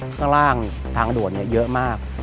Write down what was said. ข้างล่างทางด่วนเยอะมาก